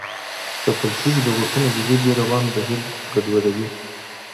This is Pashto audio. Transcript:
تپل شوي لغتونه د ژبې روان بهیر ګډوډوي.